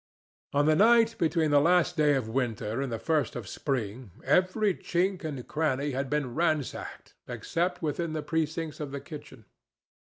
On the night between the last day of winter and the first of spring every chink and cranny had been ransacked except within the precincts of the kitchen.